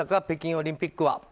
北京オリンピックは。